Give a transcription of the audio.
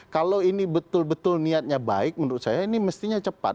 kalau ini betul betul niatnya baik menurut saya ini mestinya cepat